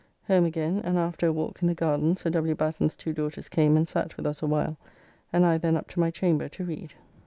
Home again, and after a walk in the garden Sir W. Batten's two daughters came and sat with us a while, and I then up to my chamber to read.